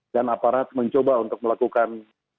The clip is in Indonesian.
dan aparat mencoba untuk melakukan